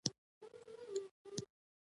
تنور د کوترې نان هم پخوي